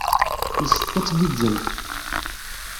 Yessefk ad tgiǧǧemt.